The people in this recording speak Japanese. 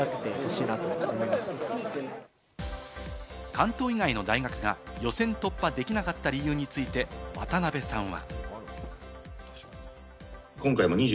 関東以外の大学が予選突破できなかった理由について、渡辺さんは。